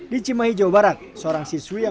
di cimahi jawa barat seorang siswi yang